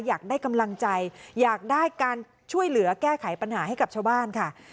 อยากได้กำลังใจอยากได้การช่วยเหลือแก้ไขปัญหาให้กับชาวบ้านค่ะ